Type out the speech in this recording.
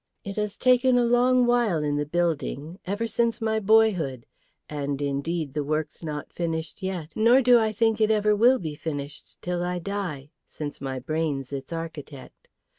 It has taken a long while in the building, ever since my boyhood; and indeed the work's not finished yet, nor do I think it ever will be finished till I die, since my brain's its architect.